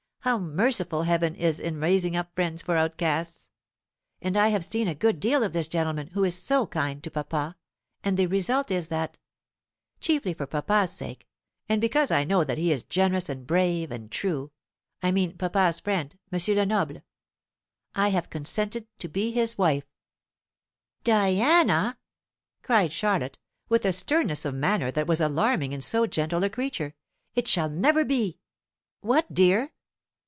How merciful Heaven is in raising up friends for outcasts! And I have seen a good deal of this gentleman who is so kind to papa, and the result is that chiefly for papa's sake, and because I know that he is generous and brave and true, I mean papa's friend, M. Lenoble I have consented to be his wife." "Diana!" cried Charlotte, with a sternness of manner that was alarming in so gentle a creature, "it shall never be!" "What dear?"